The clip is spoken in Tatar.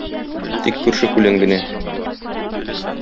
Тик күрше-күлән генә.